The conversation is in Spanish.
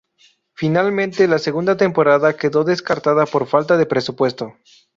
Finalmente la segunda temporada quedó descartada por falta de presupuesto.